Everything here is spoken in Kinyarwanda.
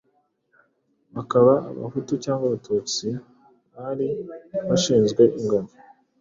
bakaba abahutu cyangwa abatutsi, bari bashinzwe ingabo,